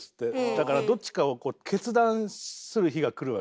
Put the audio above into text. だからどっちかをこう決断する日が来るわけ。